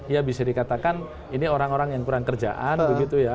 ya bisa dikatakan ini orang orang yang kurang kerjaan begitu ya